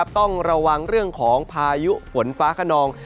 ต้องระวังเรื่องของพายุฝนฟ้าขนอง